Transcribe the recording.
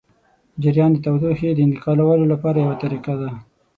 جریان د تودوخې د انتقالولو لپاره یوه طریقه ده.